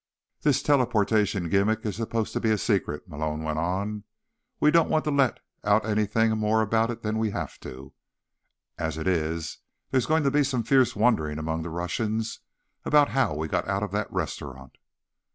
"This teleportation gimmick is supposed to be a secret," Malone went on. "We don't want to let out anything more about it than we have to. As it is, there's going to be some fierce wondering among the Russians about how we got out of that restaurant."